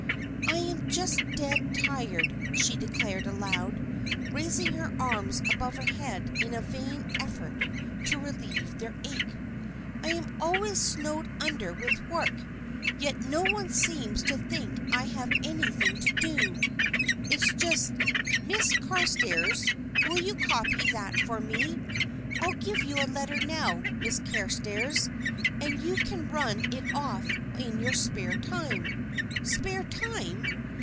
"I'm just dead tired," she declared aloud, raising her arms above her head in a vain effort to relieve their ache. "I'm always snowed under with work, yet no one seems to think I have anything to do. It's just: 'Miss Carstairs, will you copy that for me?' 'I'll give you a letter now, Miss Carstairs, and you can run it off in your spare time.' Spare time!